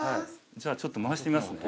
じゃあちょっと回してみますね。